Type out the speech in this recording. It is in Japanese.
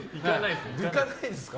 行かないですから。